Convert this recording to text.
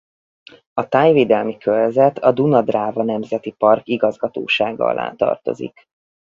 A Tájvédelmi körzet a Duna–Dráva Nemzeti Park Igazgatósága alá tartozik.